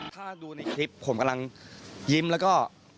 ถ้าดูในคลิปผมกำลังยิ้มแล้วก็